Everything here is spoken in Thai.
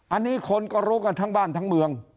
อันนี้คนก็รู้กันทั้งบ้านทั้งเมือง